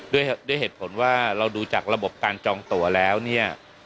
ด้วยเหตุผลว่าเราดูจากระบบการจองตัวแล้วเนี่ย